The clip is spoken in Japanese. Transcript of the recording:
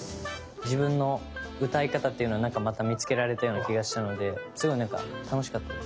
自分の歌い方っていうのをなんかまた見つけられたような気がしたのですごいなんか楽しかったです。